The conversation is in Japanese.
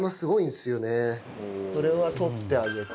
これは取ってあげて。